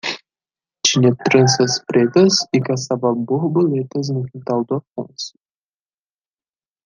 tinhas tranças pretas e caçavas borboletas no quintal do Afonso.